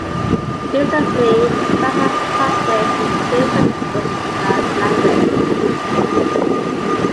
Recently, Wang has published a series of books about "Language".